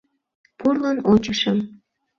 Пурлын ончышым...